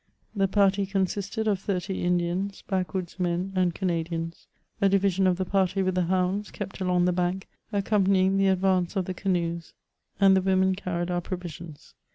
The party consisted of thirty Indians, backwoods' men, and Canadians; a division of the party with the hounds kept along the bank, accompanying the advance of the canoes, and the women carried our provisions.